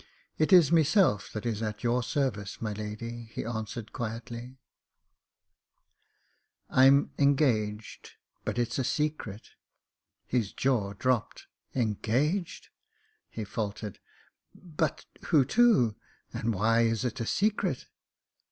"It is meself that is at your service, my lady," he answered, quietly. THE MOTOR GUN 29 "I'm engaged. But it's a secret/' His jaw dropped, "Engaged !" he faltered. "'But — who to ? And why is it a secret